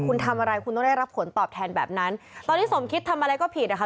คุณทำอะไรคุณต้องได้รับผลตอบแทนแบบนั้นตอนนี้สมคิดทำอะไรก็ผิดนะคะ